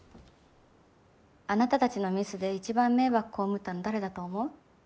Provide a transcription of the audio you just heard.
あなたたちのミスで一番迷惑被ったの誰だと思う？